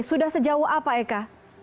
sudah sejauh apa eka